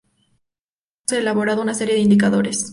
Para ello hemos elaborado una serie de indicadores.